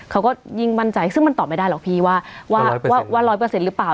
เขาก็ยิ่งมั่นใจซึ่งมันตอบไม่ได้หรอกพี่ว่าว่า๑๐๐หรือเปล่า